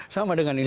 sama dengan ini